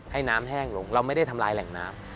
ให้น้ำแห้งลงเราไม่ได้ทำลายแหล่งน้ำ